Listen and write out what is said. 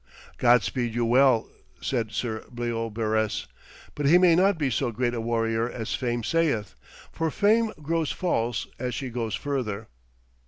'God speed you well,' said Sir Bleobaris, 'but he may not be so great a warrior as fame saith. For fame grows false as she goes further.'